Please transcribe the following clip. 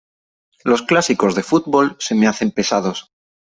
Los clásicos de fútbol se me hacen pesados.